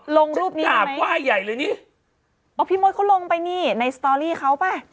ลงรูปนี้กราบไหว้ใหญ่เลยนี่อ๋อพี่มดเขาลงไปนี่ในสตอรี่เขาป่ะ